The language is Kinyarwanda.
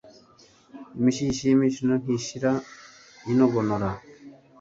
Imishishi y’imishino ntishira inogonora